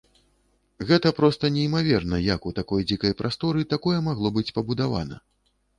Гэта проста неймаверна, як у такой дзікай прасторы такое магло быць пабудавана.